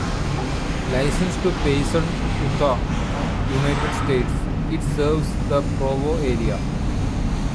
Licensed to Payson, Utah, United States, it serves the Provo area.